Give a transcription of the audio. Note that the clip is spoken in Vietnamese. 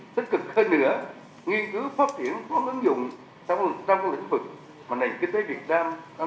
tích cực hơn nữa nghiên cứu phát triển và ứng dụng trong các lĩnh vực mà nền kinh tế việt nam